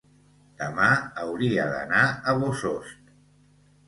demà hauria d'anar a Bossòst.